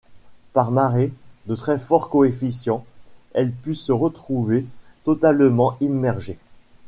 Par marées de très forts coefficients, elle peut se retrouver totalement immergée.